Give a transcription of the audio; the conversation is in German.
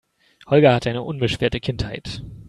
Holger hatte eine unbeschwerte Kindheit.